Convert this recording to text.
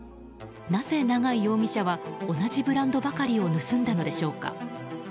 なぜ、永井容疑者は同じブランドばかりを盗んだのでしょうか？